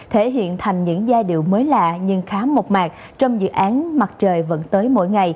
thể hiện thành những giai điệu mới lạ nhưng khá mộc mạc trong dự án mặt trời và mặt trời